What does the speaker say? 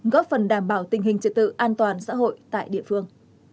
góp phần đảm bảo tình hình trật tự an toàn xã hội tại địa phương